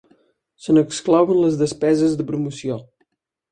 Se n'exclouen les despeses de promoció.